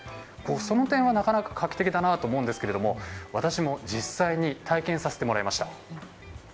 その点はなかなか画期的だなと思うんですが私も体験させてもらいました。